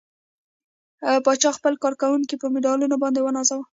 پاچا خپل کارکوونکي په مډالونو باندې ونازوه.